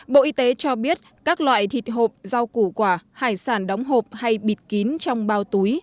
bộ y tế cho biết các loại thịt hộp rau củ quả hải sản đóng hộp hay bịt kín trong bao túi